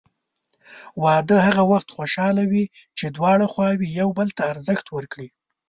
واده هغه وخت خوشحاله وي چې دواړه خواوې یو بل ته ارزښت ورکړي.